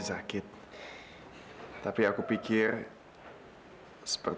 apa hal itu bisa berhasil noori